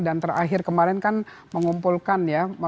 dan terakhir kemarin kan mengumpulkan ya